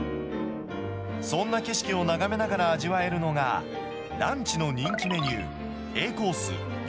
そんな景色を眺めながら味わえるのが、ランチの人気メニュー、Ａコース